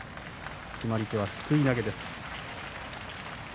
決まり手はすくい投げです。